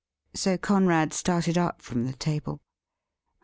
So Conrad started up from the table.